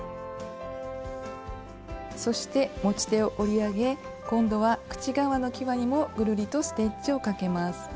そして持ち手を折り上げ今度は口側のきわにもぐるりとステッチをかけます。